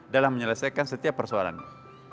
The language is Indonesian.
dalam menyelesaikan setiap persoalannya